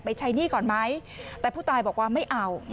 ใช้หนี้ก่อนไหมแต่ผู้ตายบอกว่าไม่เอา